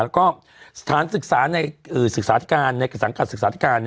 แล้วก็สถานศึกษาธิการในสังกัดศึกษาธิการ